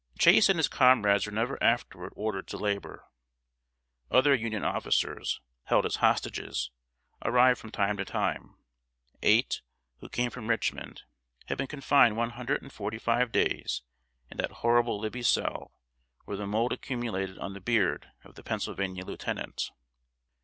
Chase and his comrades were never afterward ordered to labor. Other Union officers, held as hostages, arrived from time to time. Eight, who came from Richmond, had been confined one hundred and forty five days in that horrible Libby cell where the mold accumulated on the beard of the Pennsylvania lieutenant.